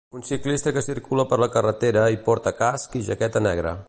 Un ciclista que circula per la carretera i porta casc i jaqueta negra.